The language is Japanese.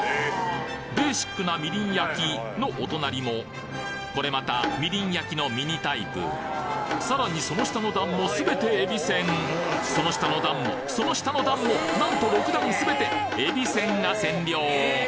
ベーシックなみりん焼のお隣もこれまたみりん焼のミニタイプさらにその下の段も全てえびせんその下の段もその下の段もなんと６段全てえびせんが占領！